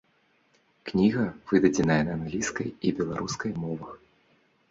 Кніга выдадзеная на англійскай і беларускай мовах.